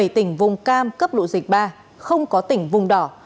bảy tỉnh vùng cam cấp độ dịch ba không có tỉnh vùng đỏ